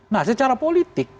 nah secara politik